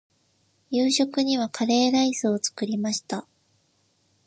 夕食にはカレーライスを作りました。